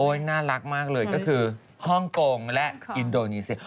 น่ารักมากเลยก็คือฮ่องกงและอินโดนีเซีย